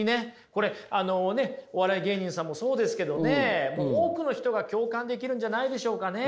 これお笑い芸人さんもそうですけどねもう多くの人が共感できるんじゃないでしょうかね。